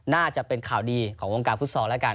น่าจะเป็นข่าวดีของวงการฟุตซอลแล้วกัน